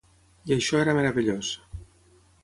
I això era meravellós.